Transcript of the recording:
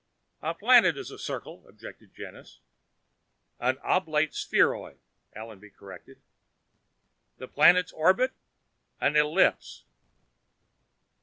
"A planet is a circle," objected Janus. "An oblate spheroid," Allenby corrected. "A planet's orbit " "An ellipse."